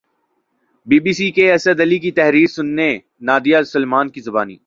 be B C کے اسد علی کی تحریر سنیے نادیہ سلیمان کی زبانی